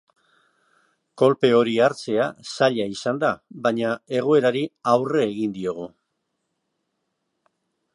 Kolpe hori hartzea zaila izan da, baina egoerari aurre egin diogu.